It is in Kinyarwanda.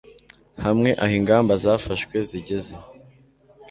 hamwe aho ingamba zafashwe zigeze